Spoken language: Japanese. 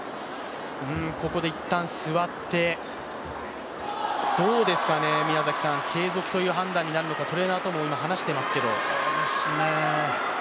ここで一旦座って、どうですかね、継続という判断になるのか、トレーナーとも今、話していますけど。